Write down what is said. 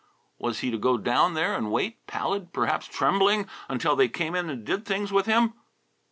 Was he to go down there and wait, pallid, perhaps trembling, until they came in and did things with him?